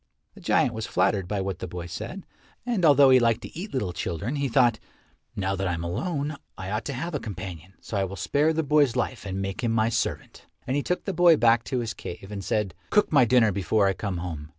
The giant was flattered by what the boy said, and although he liked to eat little children, he thought, "Now that I am alone, I ought to have a companion, so I will spare the boy's life and make him my servant." And he took the boy back to his cave, and said, "Cook my dinner before I come home.